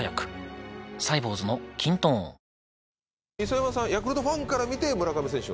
磯山さんヤクルトファンから見て。